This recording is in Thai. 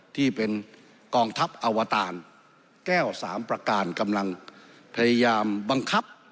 ที่เป็นกองทัพอวตารแก้วสามประการกำลังพยายามบังคับ